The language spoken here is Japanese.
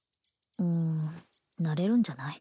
うんなれるんじゃない？